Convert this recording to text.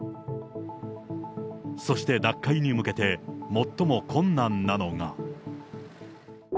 そして脱会に向けて最も困難なのが。